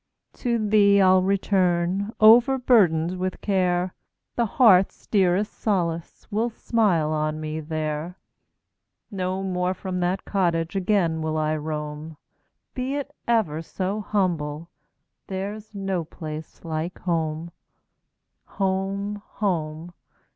To thee I 'll return, overburdened with care; The heart's dearest solace will smile on me there; No more from that cottage again will I roam; Be it ever so humble, there 's no place like home. Home! home!